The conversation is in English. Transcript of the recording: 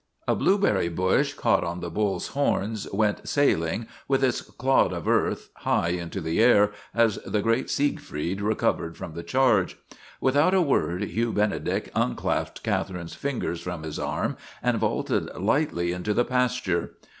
A blueberry bush, caught on the bull's horns, went sailing, with its clod of earth, high into the air as the great Siegfried recovered from the charge. Without a word Hugh Benedict unclasped Cath erine's ringers from his arm and vaulted lightly into the pasture.